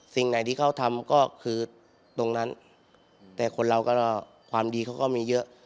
สิ่งไหนที่เขาทำก็คือตรงนั้นแต่คนเราก็ความดีเขาก็มีเยอะ